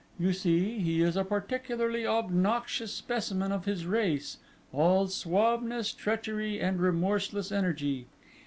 You see, he is a particularly obnoxious specimen of his race; all suaveness, treachery, and remorseless energy.